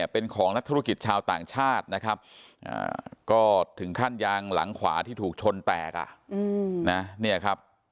เป็นของนักธุรกิจชาวต่างชาตินะครับก็ถึงขั้นยางหลังขวาที่ถูกชนแตก